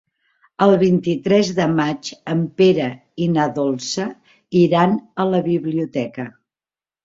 El vint-i-tres de maig en Pere i na Dolça iran a la biblioteca.